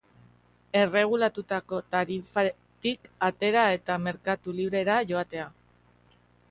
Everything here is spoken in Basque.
Erregulatutako tarifatik atera eta merkatu librera joatea.